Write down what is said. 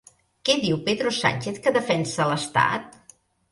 Què diu Pedro Sánchez que defensa l'estat?